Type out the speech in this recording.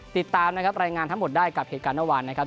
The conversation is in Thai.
ติดตามนะครับรายงานทั้งหมดได้กับเหตุการณ์เมื่อวานนะครับ